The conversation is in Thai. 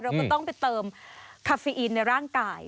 เราก็ต้องไปเติมคาเฟอีนในร่างกาย